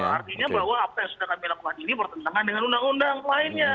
artinya bahwa apa yang sudah kami lakukan ini bertentangan dengan undang undang lainnya